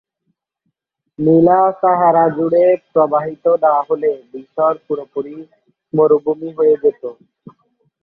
নীলা Sahara জুড়ে প্রবাহিত না হলে মিশর পুরোপুরি মরুভূমি হয়ে যাবে।